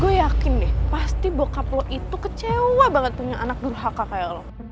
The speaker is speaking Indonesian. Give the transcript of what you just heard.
gue yakin deh pasti bokap lo itu kecewa banget punya anak durhaka kayak lo